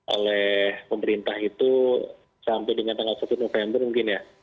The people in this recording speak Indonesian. oleh pemerintah itu sampai dengan tanggal satu november mungkin ya